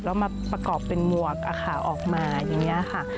แล้วมาประกอบเป็นหมวกออกมาอย่างนี้ค่ะ